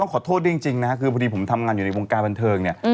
ขอโทษจริงนะคือพอดีผมทำงานอยู่ในวงการบันเทิงเนี่ย